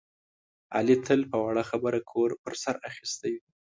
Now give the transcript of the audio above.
علي تل په وړه خبره کور په سر اخیستی وي.